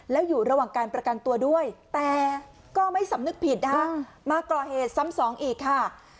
แล้วอยู่ระหว่างการประกันตัวด้วยแต่ก็ไม่สำนึกผิดนะคะมาก่อเหตุซ้ำสองอีกค่ะ